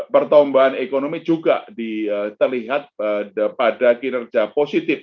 pertumbuhan ekonomi juga terlihat pada kinerja positif